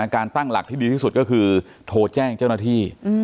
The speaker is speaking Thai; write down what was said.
การตั้งหลักที่ดีที่สุดก็คือโทรแจ้งเจ้าหน้าที่